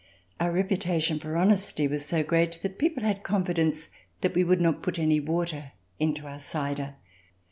Our reputation for honesty was so great that people had confidence that we would not put any water Into our cider.